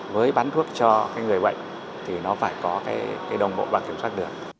với bán thuốc cho cái người bệnh thì nó phải có cái đồng bộ và kiểm soát được